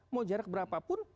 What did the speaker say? mau jarak berapa pun